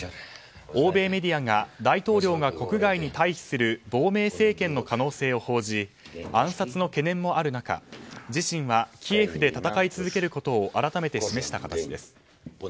欧米メディアが大統領が国外に退避する亡命政権の可能性を報じ暗殺の懸念もある中、自身はキエフで戦い続けることを改めて示した形です。